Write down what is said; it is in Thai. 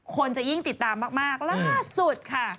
คนจะยิ่งติดตามมากล่าสุดค่ะ